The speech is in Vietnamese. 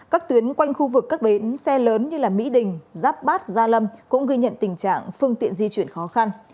các tuyến quanh khu vực các bến xe lớn như mỹ đình giáp bát gia lâm cũng ghi nhận tình trạng phương tiện di chuyển khó khăn